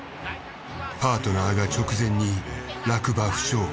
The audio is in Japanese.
パートナーが直前に落馬負傷。